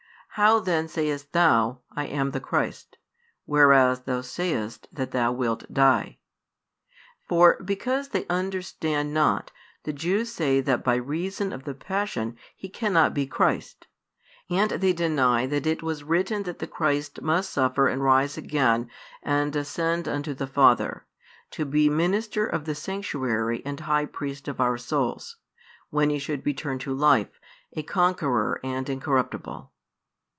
How then sayest Thou: "I am the Christ," whereas Thou sayest that Thou wilt die? For, because they understand not, the Jews say that by reason of the Passion He cannot be Christ; and they deny that it was written that the Christ must suffer and rise again and ascend unto the Father, to be Minister of the Sanctuary and High Priest of our souls, |158 when He should return to life, a Conqueror and Incorruptible.